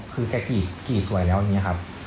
คือแกกี่สวยแล้วอย่างนี้ครับ